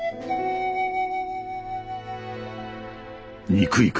憎いか？